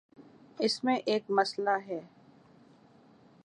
اس میں ایک مسئلہ ہے۔